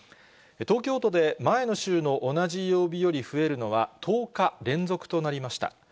東京都で前の週の同じ曜日より増えるのは１０日連続となりました。